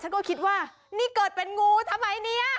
ฉันก็คิดว่านี่เกิดเป็นงูทำไมเนี่ย